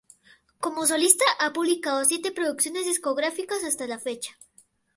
Como solista ha publicado siete producciones discográficas hasta la fecha.